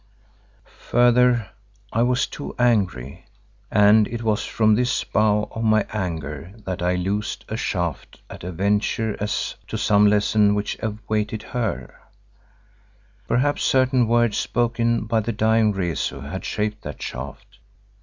Further, I was too angry and it was from this bow of my anger that I loosed a shaft at a venture as to some lesson which awaited her. Perhaps certain words spoken by the dying Rezu had shaped that shaft.